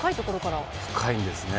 深いんですよね。